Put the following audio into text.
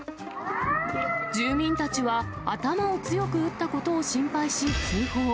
住民たちは頭を強く打ったことを心配し通報。